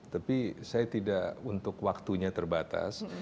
tapi saya tidak untuk waktunya terbatas